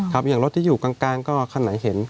อย่างรถที่อยู่กลางก็คันไหนเห็น